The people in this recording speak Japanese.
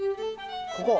ここ？